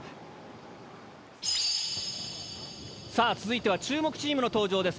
さあ続いては注目チームの登場です。